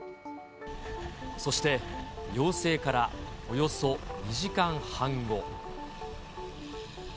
そして要請からおよそ２時間半後。